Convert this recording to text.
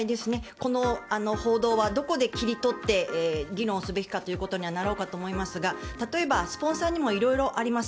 この報道はどこで切り取って議論すべきということになろうかと思いますが例えばスポンサーにも色々あります。